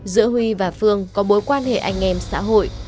giữa huy và phương có mối quan hệ anh em xã hội